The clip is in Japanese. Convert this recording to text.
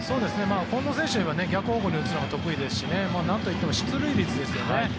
近藤選手は逆方向に打つのが得意ですしなんといっても出塁率ですよね。